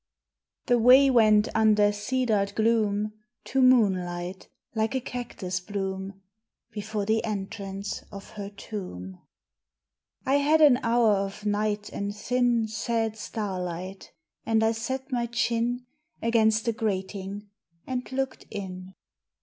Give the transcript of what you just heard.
The way went under cedared gloom To moonlight, like a cactus bloom, Before the entrance of her tomb. I had an hour of night and thin Sad starlight; and I set my chin Against the grating and looked in.